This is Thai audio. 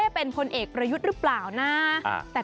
กลายเป็นประเพณีที่สืบทอดมาอย่างยาวนาน